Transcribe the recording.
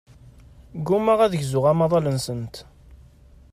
Ggummaɣ ad gzuɣ amaḍal-nsent.